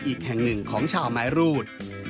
อีกแห่งหนึ่งของชาวไม้รูด